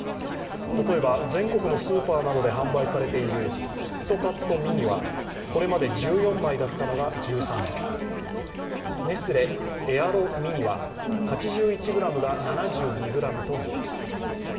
例えば、全国のスーパーなどで販売されているキットカットミニはこれまで１４枚だったのが１３枚にネスネスレエアロミニは８１ｇが７２ｇとなります。